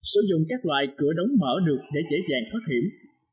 sử dụng các loại cửa đóng mở được để dễ dàng thoát hiểm